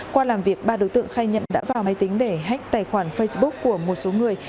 qua làm việc ba đối tượng khai nhận đã vào máy tính để hách tài khoản facebook của một số người